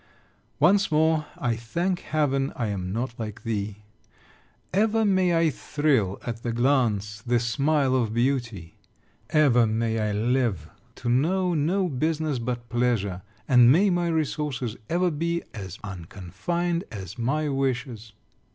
Once more, I thank heaven I am not like thee. Ever may I thrill at the glance, the smile of beauty! Ever may I live, to know no business but pleasure; and may my resources ever be as unconfined as my wishes!